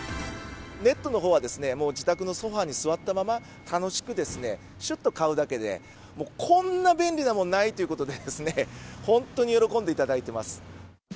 ネットのほうは、もう自宅のソファに座ったまま、楽しく、しゅっと買うだけで、もうこんな便利なもんないということでですね、本当に喜んでいただいています。